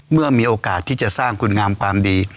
มีโอกาสที่จะสร้างคุณงามความดี